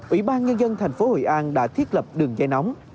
ủy ban nhân dân thành phố hội an đã thiết lập đường dây nóng